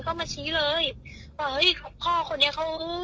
ก็มาชี้เลยว่าเฮ้ยพ่อคนนี้เขาจุดทั่วปักจริงอะไรอย่างนี้